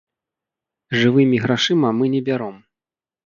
Жывымі грашыма мы не бяром.